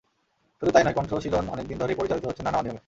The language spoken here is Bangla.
শুধু তা-ই নয়, কণ্ঠশীলন অনেক দিন ধরেই পরিচালিত হচ্ছে নানা অনিয়মে।